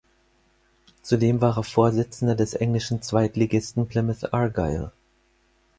Zudem war er Vorsitzender des englischen Zweitligisten Plymouth Argyle.